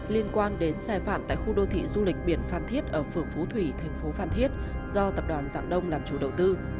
liên quan đến sai phạm tại khu đô thị du lịch biển phan thiết ở phường phú thủy thành phố phan thiết do tập đoàn dạng đông làm chủ đầu tư